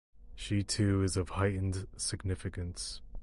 She too is of heightened significance.